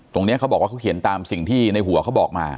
เขาบอกว่าเขาเขียนตามสิ่งที่ในหัวเขาบอกมา